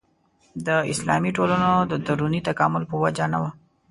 د اسلامي ټولنو د دروني تکامل په وجه نه وه.